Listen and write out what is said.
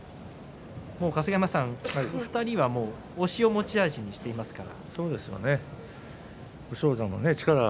春日山さん、この２人は押しを持ち味にしていますから。